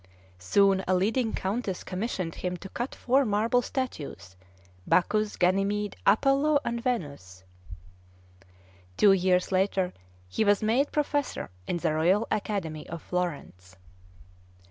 Soon a leading countess commissioned him to cut four marble statues, Bacchus, Ganymede, Apollo, and Venus. Two years later, he was made professor in the Royal Academy of Florence.